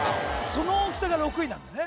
その大きさが６位なんだね